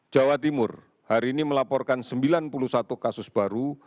jawa timur hari ini melaporkan sembilan puluh satu kasus baru